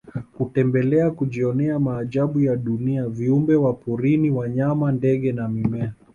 Hutembelea kujionea maajabu ya dunia viumbe wa porini wanyama ndege na mimea